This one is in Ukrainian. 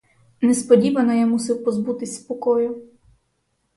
Несподівано я мусив позбутись спокою.